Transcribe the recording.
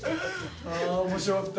あ面白かった。